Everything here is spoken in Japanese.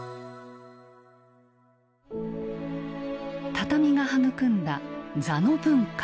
畳が育んだ「座の文化」。